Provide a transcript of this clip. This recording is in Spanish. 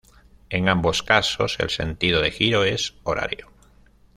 En ambos casos, el sentido de giro es horario.